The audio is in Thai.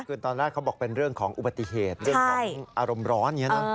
คือตอนแรกเขาบอกเป็นเรื่องของอุบัติเหตุเรื่องของอารมณ์ร้อนอย่างนี้นะ